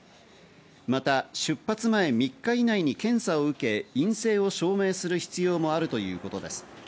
また出発前３日以内に検査を受け、陰性を証明する必要もあるということです。